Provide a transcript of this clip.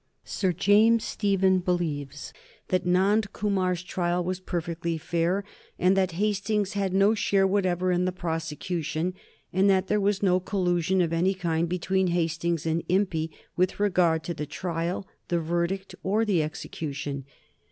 Sir James Stephen believes that Nand Kumar's trial was perfectly fair, that Hastings had no share whatever in the prosecution, and that there was no collusion of any kind between Hastings and Impey with regard to the trial, the verdict, or the execution.